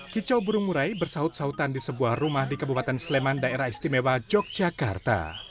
kicau burung murai bersaut sautan di sebuah rumah di kabupaten sleman daerah istimewa yogyakarta